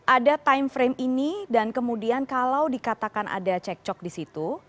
ada time frame ini dan kemudian kalau dikatakan ada cek cok di situ